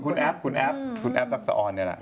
คุณแอปคุณแอปคุณแอปสะออนเนี่ยแหละ